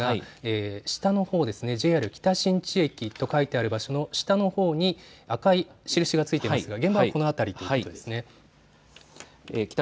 今、テレビの映像では簡単な地図が出ていますが、下のほうＪＲ北新地駅と書いてある場所の下のほうに赤い印が付いていますが、現場はこの辺りということですね。